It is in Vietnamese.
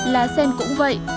lá sen cũng vậy